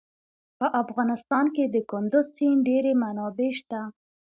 په افغانستان کې د کندز سیند ډېرې منابع شته.